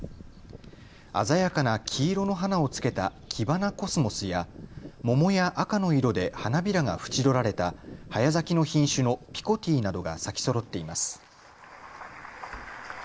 鮮やかな黄色の花をつけたキバナコスモスや桃や赤の色で花びらが縁取られた早咲きの品種のピコティーなどが咲きそろっています。